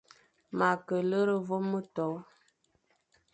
Ma kʼa lera vôm éto.